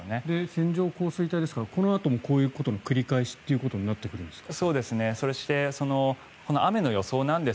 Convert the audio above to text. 線状降水帯ですからこのあともこういうことの繰り返しとなってくるんですか？